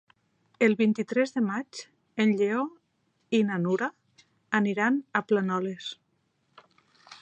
El vint-i-tres de maig en Lleó i na Nura aniran a Planoles.